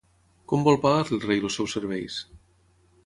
Com vol pagar-li el rei els seus serveis?